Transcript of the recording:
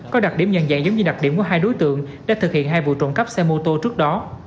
có đặc điểm nhận dạng giống như đặc điểm của hai đối tượng để thực hiện hai vụ trộm cắp xe mô tô trước đó